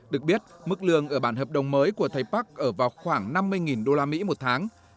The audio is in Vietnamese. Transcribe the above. được biết mức lương ở bản hợp đồng mới của thầy park ở vào khoảng năm mươi usd một tháng